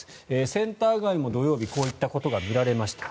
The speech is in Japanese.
センター街も土曜日こういったことが見られました。